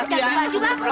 ganti baju ya